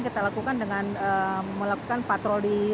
kita lakukan dengan melakukan patroli